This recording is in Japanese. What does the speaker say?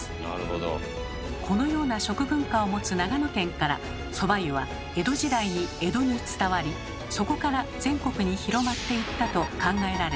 このような食文化を持つ長野県からそば湯は江戸時代に江戸に伝わりそこから全国に広まっていったと考えられています。